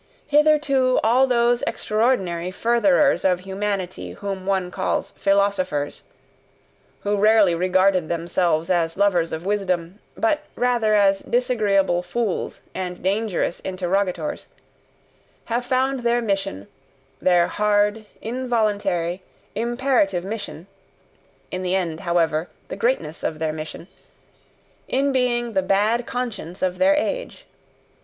Hitherto all those extraordinary furtherers of humanity whom one calls philosophers who rarely regarded themselves as lovers of wisdom, but rather as disagreeable fools and dangerous interrogators have found their mission, their hard, involuntary, imperative mission (in the end, however, the greatness of their mission), in being the bad conscience of their age.